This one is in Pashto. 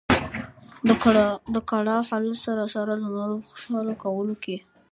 د کړاو حالت سره سره د نورو په خوشاله کولو کې.